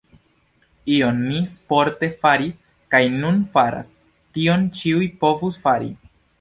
Kion mi sporte faris kaj nun faras, tion ĉiuj povus fari.